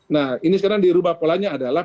nah ini sekarang dirubah polanya adalah